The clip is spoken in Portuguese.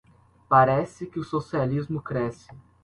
Parece que o socialismo cresce...